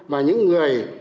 và những người